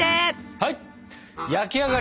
はい！